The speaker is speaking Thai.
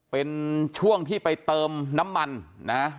เป็นช่วงที่ไปเติมน้ำมันนะ